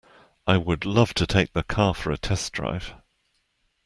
I would love to take the car for a test drive.